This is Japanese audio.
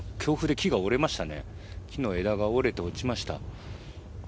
木の枝が折れて落ちました。